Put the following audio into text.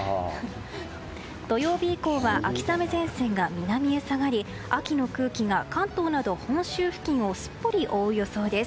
土曜日以降は秋雨前線が南へ下がり秋の空気が関東など本州付近をすっぽり覆う予想です。